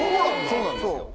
そうなんですよ。